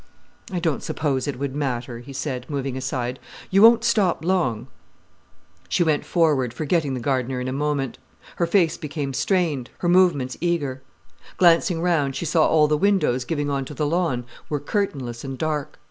"I don't suppose it would matter," he said, moving aside: "you won't stop long——" She went forward, forgetting the gardener in a moment. Her face became strained, her movements eager. Glancing round, she saw all the windows giving on to the lawn were curtainless and dark.